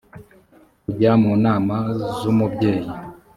kujya mu nama z umubyeyi